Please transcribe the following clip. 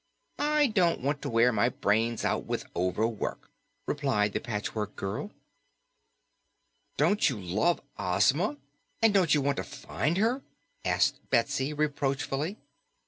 "I don't want to wear my brains out with overwork," replied the Patchwork Girl. "Don't you love Ozma? And don't you want to find her?" asked Betsy reproachfully.